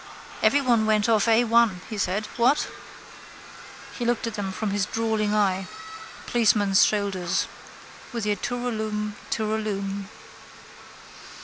—Everything went off A1, he said. What? He looked on them from his drawling eye. Policeman's shoulders. With your tooraloom tooraloom.